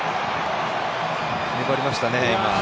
粘りましたね。